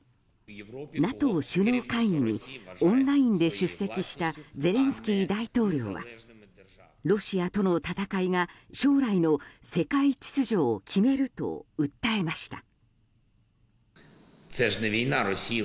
ＮＡＴＯ首脳会議にオンラインで出席したゼレンスキー大統領はロシアとの戦いが将来の世界秩序を決めると訴えました。